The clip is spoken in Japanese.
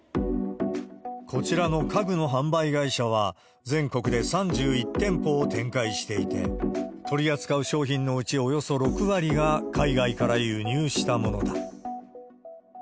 こちらの家具の販売会社は、全国で３１店舗を展開していて、取り扱う商品のうち、およそ６割が、海外から輸入したものだ。